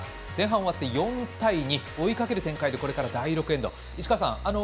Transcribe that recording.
前半終わって４対２追いかける展開でこれから第６エンド。